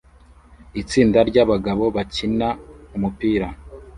Itsinda ryabagabo bakina umupira